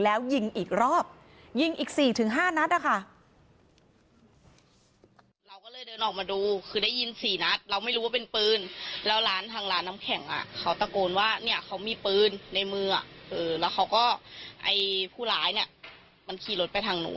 แล้วยิงอีกรอบยิงอีก๔๕นัดนะคะ